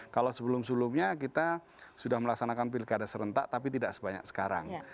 kalau sebelum sebelumnya kita sudah melaksanakan pilkada serentak tapi tidak sebanyak sekarang